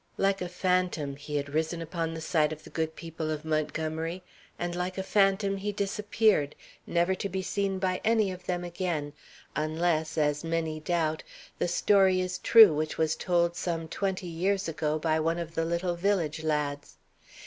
Like a phantom he had risen upon the sight of the good people of Montgomery, and like a phantom he disappeared, never to be seen by any of them again, unless, as many doubt, the story is true which was told some twenty years ago by one of the little village lads.